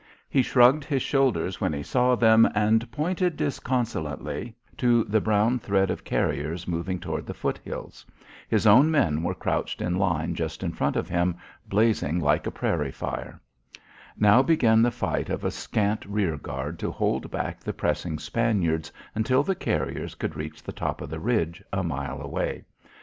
He shrugged his shoulders when he saw them and pointed disconsolately to the brown thread of carriers moving toward the foot hills. His own men were crouched in line just in front of him blazing like a prairie fire. Now began the fight of a scant rear guard to hold back the pressing Spaniards until the carriers could reach the top of the ridge, a mile away.